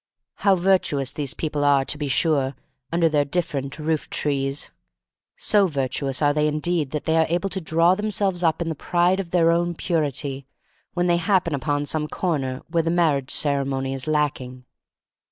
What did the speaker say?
How virtuous these people are, to be sure, under their different roof trees. So virtuous are they indeed that they are able to draw themselves up in the 71 72 THE STORY OF MARY MAC LANE pride of their own purity, when they happen upon some corner where the marriage ceremony is lacking.